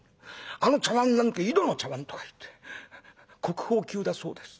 あの茶碗なんて井戸の茶碗とかいって国宝級だそうです。